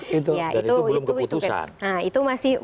dan itu belum keputusan